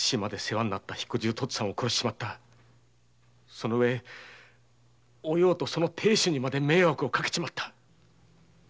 その上おようとその亭主にまで迷惑をかけちまった。